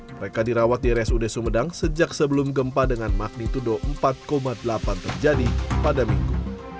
mereka dirawat di rsud sumedang sejak sebelum gempa dengan magnitudo empat delapan terjadi pada minggu